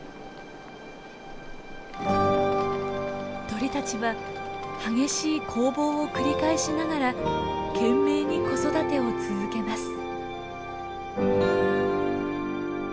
鳥たちは激しい攻防を繰り返しながら懸命に子育てを続けます。